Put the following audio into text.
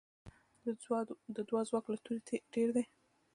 د دعا ځواک له توره ډېر دی.